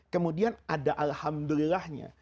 kemudian ada alhamdulillahnya